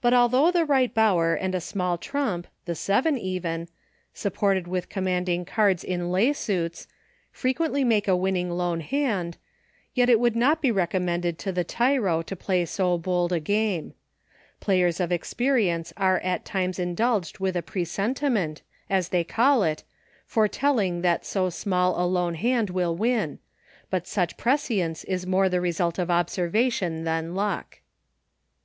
But although the Eight Bower and a small trump — the seven even— supported with com PLAYING ALONE. 51 loanding cards in lay suits, frequently make a winning lone hand, yet it would not be recom mended to the tyro to play so bold a game. Players of experience are at times indulged with a presentiment as they call it, foretelling that so small a lone hand will win, but such prescience is more the result of observation than luck.